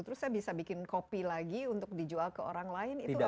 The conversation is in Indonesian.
terus saya bisa bikin kopi lagi untuk dijual ke orang lain